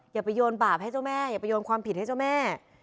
อย่าไปโยนบาปให้เจ้าแม่อย่าไปโยนความผิดให้เจ้าแม่